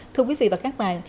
thưa quý vị và các bạn